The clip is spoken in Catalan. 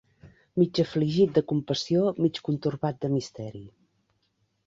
Mig afligit de compassió, mig contorbat de misteri.